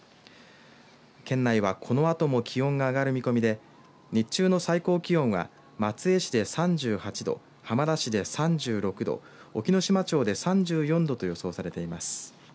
県内は、このあとも気温が上がる見込みで日中の最高気温は松江市で３８度、浜田市で３６度、隠岐の島町で３４度と予想されています。